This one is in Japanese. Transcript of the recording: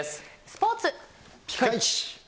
スポーツ。